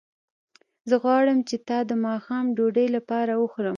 زه غواړم چې تا د ماښام ډوډۍ لپاره وخورم